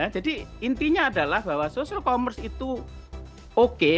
jadi intinya adalah bahwa social commerce itu oke